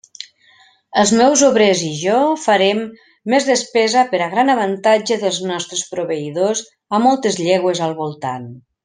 Els meus obrers i jo farem més despesa per a gran avantatge dels nostres proveïdors a moltes llegües al voltant.